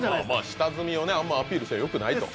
下積みをあんまりアピールするのはよくないと。